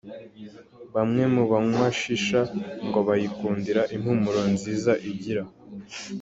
Bamwe mu banywa Shisha, ngo bayikundira impumuro nziza igira.